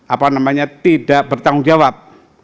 apa namanya tidak bertanggung jawab